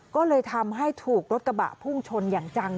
ก็เลยทำให้ถูกรถกระบะพุ่งชนอย่างจัง